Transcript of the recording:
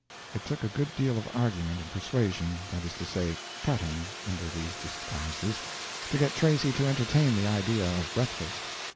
It took a good deal of argument and persuasion—that is to say, petting, under these disguises—to get Tracy to entertain the idea of breakfast.